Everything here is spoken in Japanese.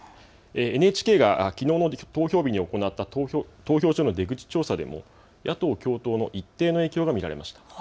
ＮＨＫがきのうの投票日に行った投票所の出口調査でも野党共闘の一定の影響が見られました。